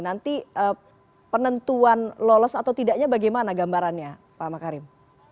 nanti penentuan lolos atau tidaknya bagaimana gambarannya pak makarim